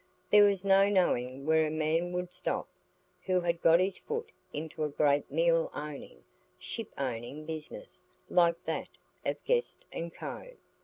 There was no knowing where a man would stop, who had got his foot into a great mill owning, ship owning business like that of Guest & Co.